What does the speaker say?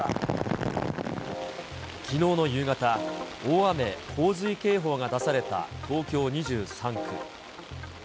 きのうの夕方、大雨洪水警報が出された東京２３区。